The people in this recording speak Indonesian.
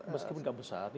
meskipun tidak besar